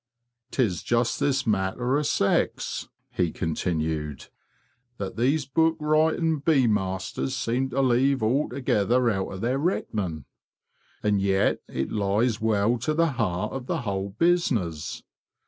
"°Tis just this matter of sex,'' he continued, "that these book writing bee masters seem to leave altogether out of their reckoning. And yet it lies well to the heart of the whole business.